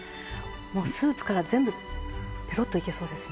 スープから全部ぺろっといけそうですね。